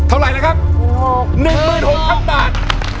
เอา๑๖๐๐๐บาทค่ะเท่าไหร่นะครับ๑๖๐๐๐บาท